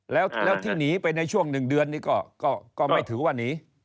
แล้วที่หนีไปในช่วง๑เดือนนี้ก็ไม่ถือว่าหนี